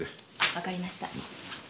わかりました。